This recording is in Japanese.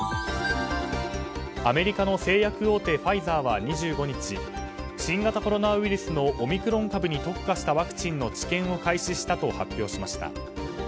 アメリカの製薬大手ファイザーは２５日、新型コロナウイルスのオミクロン株に特化したワクチンの治験を開始したと発表しました。